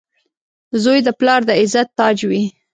• زوی د پلار د عزت تاج وي.